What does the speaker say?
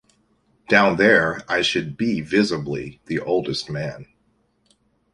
Down there I should be visibly the oldest man.